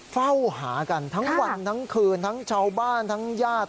เฝ้าหากันทั้งวันทั้งคืนทั้งชาวบ้านทั้งญาติ